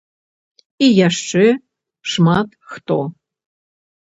І яшчэ шмат хто.